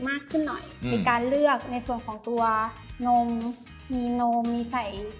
มากขึ้นหน่อยในการเลือกในส่วนของตัวนมมีนมมีใส่